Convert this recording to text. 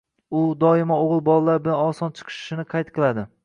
U doimo o‘g‘il bolalar bilan oson chiqishishini qayd qiladi.